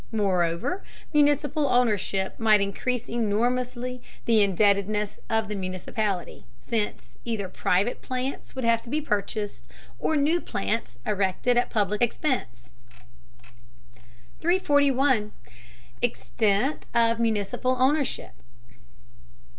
Moreover, municipal ownership might increase enormously the indebtedness of the municipality, since either private plants would have to be purchased, or new plants erected at public expense. 341. EXTENT OF MUNICIPAL OWNERSHIP.